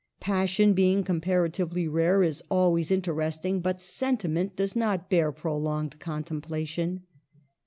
Pas sion, being comparatively rare, is always inter esting, but sentiment does not bear prolonged contemplation.